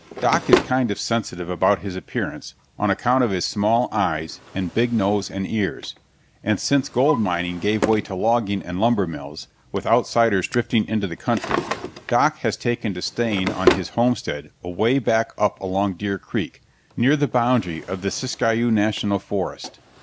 Doc is kind of sensitive about his appearance on account of his small eyes and big nose and ears; and since gold mining gave way to logging and lumber mills, with Outsiders drifting into the country, Doc has taken to staying on his homestead away back up along Deer Creek, near the boundary of the Siskiyou National Forest.